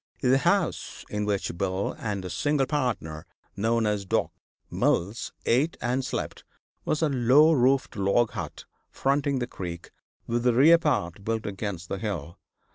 The house in which Bill and his single partner, known as Doc. Mills, ate and slept, was a low roofed log hut fronting the creek, with the rear part built against the hill.